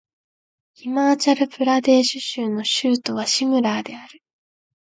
ヒマーチャル・プラデーシュ州の州都はシムラーである